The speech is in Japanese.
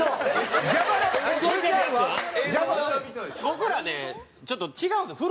僕らねちょっと違うんですよ。